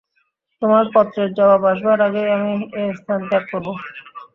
তোমার পত্রের জবাব আসবার আগেই আমি এস্থান ত্যাগ করব।